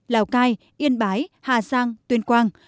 lào cai yên bái hà giang tuyên quang